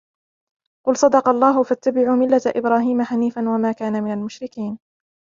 قل صدق الله فاتبعوا ملة إبراهيم حنيفا وما كان من المشركين